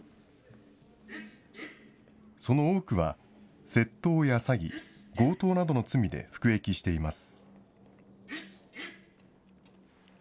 その多くは窃盗や詐欺、強盗などの罪で服役しています。